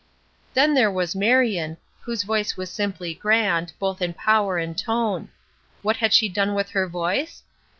Then there was Marion, whose voice was simply grand, both in power and tone. What had she done with her voice?